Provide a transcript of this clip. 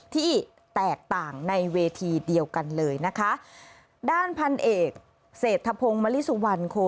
ที่แตกต่างในเวทีเดียวกันเลยนะคะด้านพันเอกเศรษฐพงศ์มริสุวรรณโค